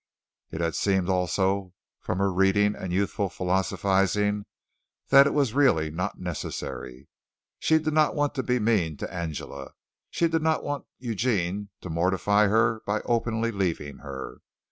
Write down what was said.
It had seemed also from her reading and youthful philosophizing that it was really not necessary. She did not want to be mean to Angela. She did not want Eugene to mortify her by openly leaving her.